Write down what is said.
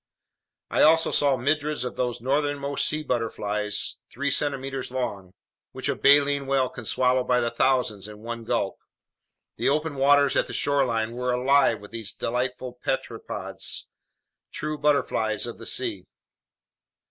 I also saw myriads of those northernmost sea butterflies three centimeters long, which a baleen whale can swallow by the thousands in one gulp. The open waters at the shoreline were alive with these delightful pteropods, true butterflies of the sea.